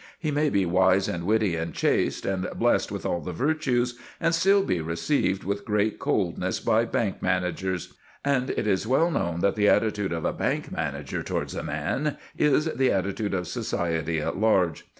He may be wise and witty and chaste and blessed with all the virtues, and still be received with great coldness by bank managers; and it is well known that the attitude of a bank manager towards a man is the attitude of society at large.